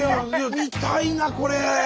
見たいなこれ。